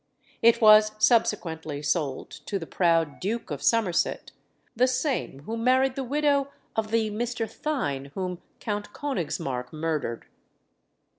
It was subsequently sold to the proud Duke of Somerset, the same who married the widow of the Mr. Thynne whom Count Königsmarck murdered.